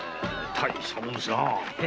大したもんですな。